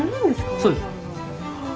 そうです。